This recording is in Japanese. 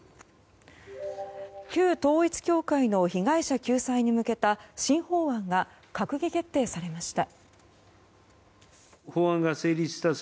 旧統一教会の被害者救済に向けた新法案が閣議決定されました。